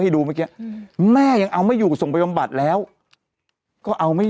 ดูเมื่อกี้แม่ยังเอาไม่อยู่ส่งไปบำบัดแล้วก็เอาไม่